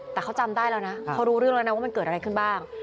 แต่เขาจำได้แล้วนะเขารู้เรื่องแล้วนะว่ามันเกิดอะไรขึ้นบ้าง